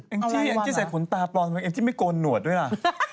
อันจีใส่ขนตาปลอดอันจีไม่โกนหนวดด้วยเหรอ